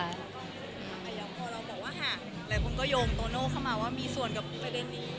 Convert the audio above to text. แต่พอเราบอกว่าหากหลายคนก็โยงโตโน่เข้ามาว่ามีส่วนกับประเด็นนี้